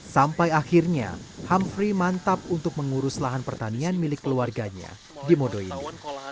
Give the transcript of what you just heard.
sampai akhirnya hamfri mantap untuk mengurus lahan pertanian milik keluarganya di modo ini